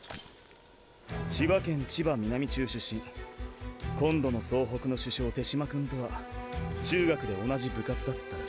千葉県千葉南中出身今度の総北の主将手嶋くんとは中学で同じ部活だったらしい。